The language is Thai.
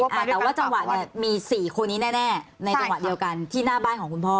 แต่ว่าจังหวะเนี่ยมีสี่คนนี้แน่ในจังหวะเดียวกันที่หน้าบ้านของคุณพ่อ